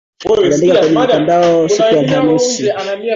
Aliandika kwenye mtandao siku ya Alhamisi.